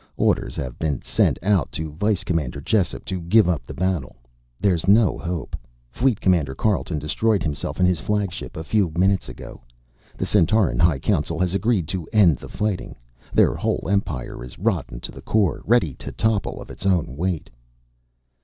"Orders have been sent out to Vice Commander Jessup to give up the battle. There's no hope. Fleet Commander Carleton destroyed himself and his flagship a few minutes ago. The Centauran High Council has agreed to end the fighting. Their whole Empire is rotten to the core. Ready to topple of its own weight."